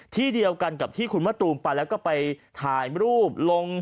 ที่เดียวกันกับที่คุณมะตูมไปแล้วก็ไปถ่ายรูปลง